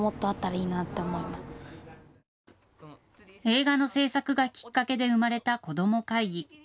映画の製作がきっかけで生まれた子ども会議。